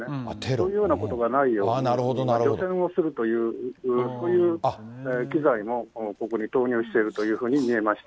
そういうようなことがないように除染をするという、そういう機材もここに投入しているというふうに見えました。